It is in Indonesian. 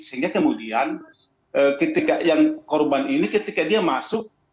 sehingga kemudian ketika yang korban ini ketika dia masuk